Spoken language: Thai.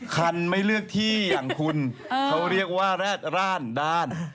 คันไม่เลือกที่อย่างคุณเขาเรียกว่าแรดร่านด้าน